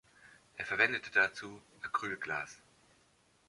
Er verwendete dazu Acrylglas.